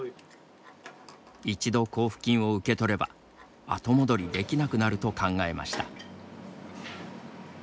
一度交付金を受け取れば後戻りできなくなると考えました。